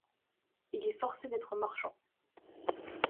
Il est forcé d'être marchand.